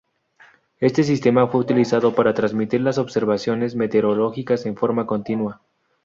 Este sistema fue utilizado para transmitir las observaciones meteorológicas en forma continua.